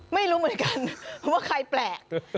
ไม่รู้เหมือนกันว่าใครแปลก